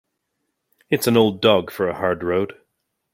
It's an old dog for a hard road.